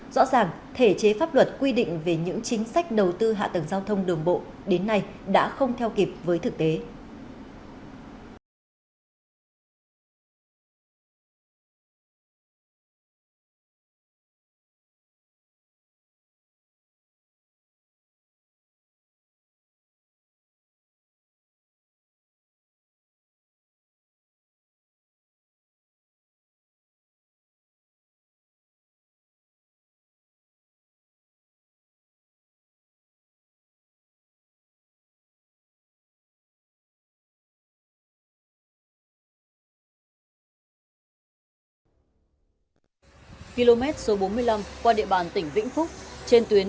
rõ ràng thể chế pháp luật quy định về những chính sách đầu tư hạ tầng giao thông đường bộ đến nay đã không theo kịp với thực tế